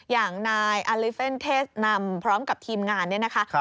อย่างนายอาลิเฟนเทศนำพร้อมกับทีมงานเนี่ยนะคะ